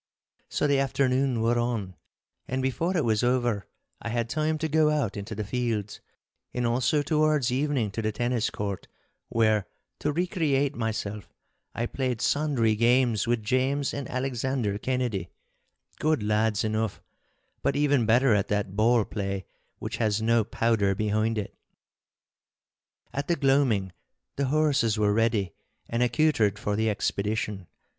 So the afternoon wore on, and before it was over I had time to go out into the fields, and also towards evening to the tennis court—where, to recreate myself, I played sundry games with James and Alexander Kennedy, good lads enough, but ever better at that ball play which has no powder behind it. At the gloaming the horses were ready and accoutred for the expedition.